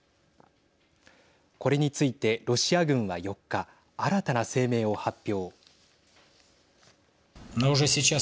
これについてロシア軍は４日新たな声明を発表。